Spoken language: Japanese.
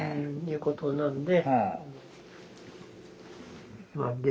いうことなんで。